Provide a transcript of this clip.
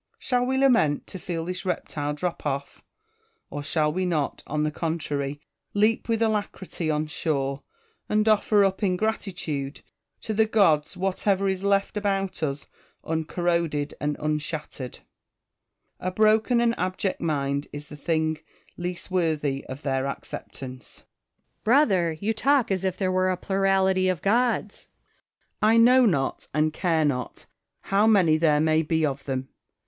Shall we lament to feel this reptile drop off ^ Or shall we not, on the contrary, leap with alacrity on shore, and offer up in gratitude to the gods whatever is left about us uncorroded and unshattered ? A broken and abject mind is the thing least worthy of their acceptance. 334 IMA GINAR Y CON VERSA TIONS. Quincius. Brother, you talk as if there were a plurality of gods. Marcus. I know not and care not how many there may be of them.